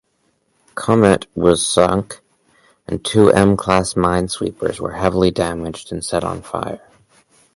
"Komet" was sunk and two M-class minesweepers were heavily damaged and set on fire.